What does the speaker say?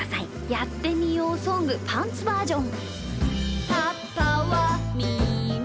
「やってみようソングパンツバージョン」。